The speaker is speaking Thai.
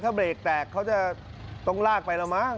ถ้าเบรกแตกเขาจะต้องลากไปแล้วมั้ง